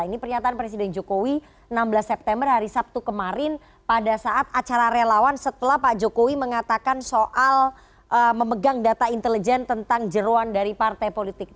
ini pernyataan presiden jokowi enam belas september hari sabtu kemarin pada saat acara relawan setelah pak jokowi mengatakan soal memegang data intelijen tentang jeruan dari partai politik